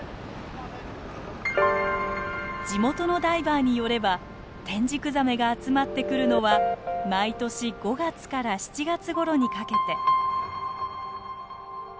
地元のダイバーによればテンジクザメが集まってくるのは毎年５月から７月ごろにかけて。